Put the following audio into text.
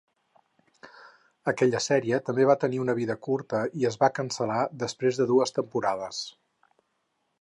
Aquella sèrie també va tenir una vida curta i es va cancel·lar després de dues temporades.